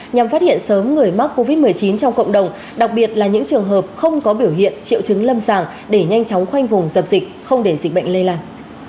nhằm phát hiện sớm người mắc covid một mươi chín trong cộng đồng đặc biệt là những trường hợp không có biểu hiện triệu chứng lâm sàng để nhanh chóng khoanh vùng dập dịch không để dịch bệnh lây lan